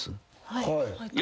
はい。